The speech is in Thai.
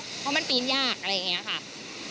เพราะมันปีนยาก